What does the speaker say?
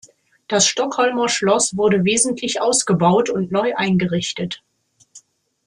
Das Stockholmer Schloss wurde wesentlich ausgebaut und neu eingerichtet.